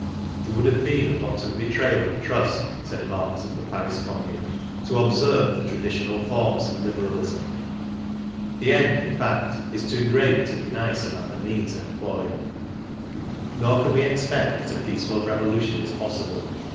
It would have been a wanton be trayal of trust, said Marx of the Paris Commune, to observe the traditional forms of liberalism. The end, in fact, is too great to be nice about the means employed. 7; Nor can we expect that a. peaceful revolution is pos jsible.